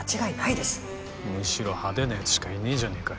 むしろ派手な奴しかいねえじゃねえかよ。